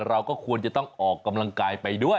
เราก็ควรจะต้องออกกำลังกายไปด้วย